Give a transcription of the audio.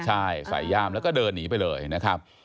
ใช่ใส่ย่ามแล้วก็เดินหนีไปเลยนะครับ